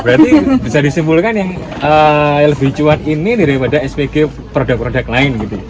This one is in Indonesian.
berarti bisa disimpulkan yang lebih cuat ini daripada spg produk produk lain gitu